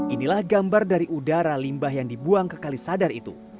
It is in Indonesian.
inilah gambar dari udara limbah yang dibuang ke kalisadar itu